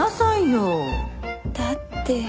だって。